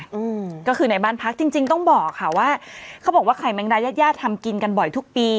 อืมก็คือในบ้านพักจริงจริงต้องบอกค่ะว่าเขาบอกว่าไข่แมงดายาดย่าทำกินกันบ่อยทุกปี